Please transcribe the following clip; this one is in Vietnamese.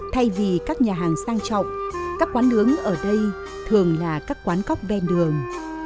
thay vì các nhà hàng sang trọng các quán nướng ở đây thường là các quán cóc ven đường